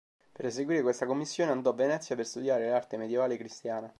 Per eseguire questa commissione, andò a Venezia per studiare l'arte medievale cristiana.